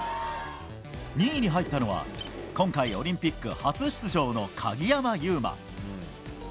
２位に入ったのは今回オリンピック初出場の鍵山優真。